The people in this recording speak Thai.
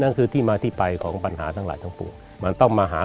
นั่นคือที่มาที่ไปของปัญหาทั้งหลายทั้งปวงมันต้องมาหา